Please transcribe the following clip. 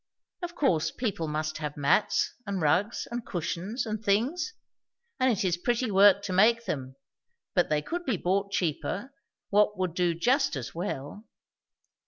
Of course, people must have mats and rugs and cushions and things; and it is pretty work to make them; but they could be bought cheaper, what would do just as well."